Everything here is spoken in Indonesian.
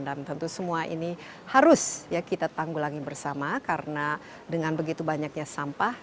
tentu semua ini harus kita tanggulangi bersama karena dengan begitu banyaknya sampah